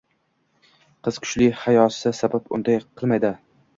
Qiz kuchli hayosi sabab unday qilmaydi.